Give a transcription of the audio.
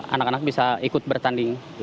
anak anak bisa ikut bertanding